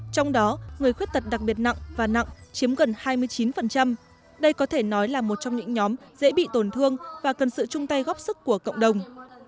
trong đó người khuyết tật đặc biệt nặng và nặng chiếm gần hai mươi chín đây có thể nói là một trong những nhóm dễ bị tổn thương và cần sự chung tay góp sức của cộng đồng